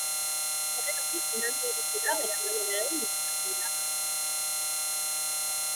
Horregatik, berandu iritsi da bere amaieraren iragarpena.